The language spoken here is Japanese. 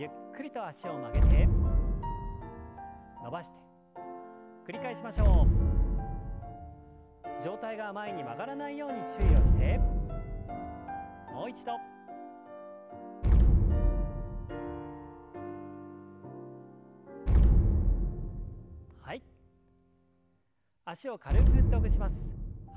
脚を軽く振ってほぐします。